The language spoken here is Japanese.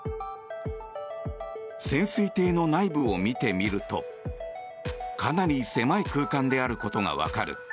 潜水艇の内部を見てみるとかなり狭い空間であることがわかる。